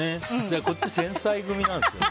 こっち繊細組なんですよね。